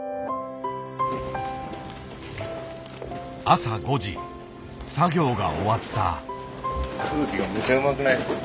朝５時作業が終わった。